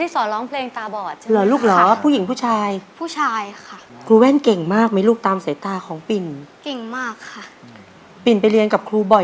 สู้ฟีกันมากเลยค่ะ